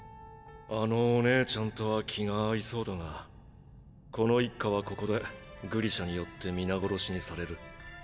あのお姉ちゃんとは気が合いそうだがこの一家はここでグリシャによって皆殺しにされる。